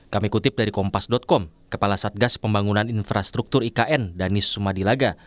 kami kutip dari kompas com kepala satgas pembangunan infrastruktur ikn danis sumadilaga